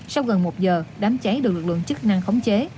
sau gần một giờ đám cháy được lực lượng chức năng khống chế